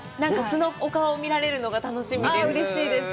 素のお顔を見られるのが楽しみです。